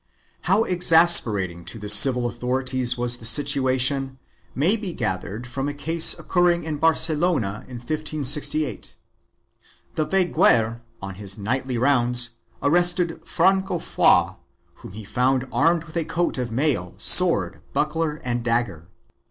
How exasperating to the civil authorities was the situation may be gathered from a case occurring in Barcelona, in 1568. The veguer, on his nightly rounds, arrested Franco Foix, whom he found armed with a coat of mail, sword, buckler and dagger.